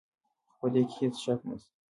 خو په دې کې هېڅ شک نشته.